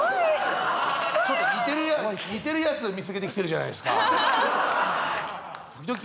ちょっと似てるやつ見つけてきてるじゃないですか。